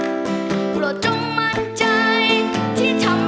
แล้วไปให้เจ้างที่จุดหมาย